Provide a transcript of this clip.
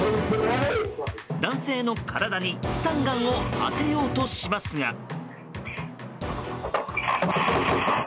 男性の体にスタンガンを当てようとしますが。